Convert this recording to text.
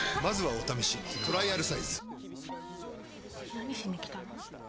何しに来たの？